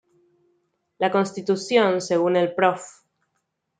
La Constitución, según el Prof.